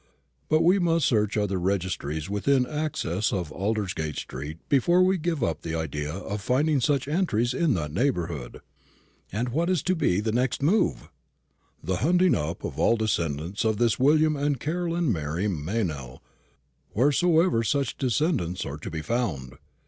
But we must search other registries within access of Aldersgate street before we give up the idea of finding such entries in that neighbourhood." "And what is to be the next move?" "The hunting up of all descendants of this William and Caroline Mary Meynell, wheresoever such descendants are to be found.